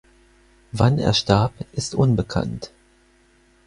Wann er starb, ist unbekannt.